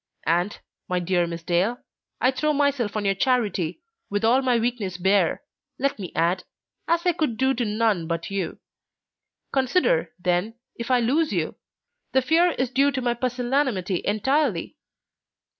And, my dear Miss Dale, I throw myself on your charity, with all my weakness bare, let me add, as I could do to none but you. Consider, then, if I lose you! The fear is due to my pusillanimity entirely.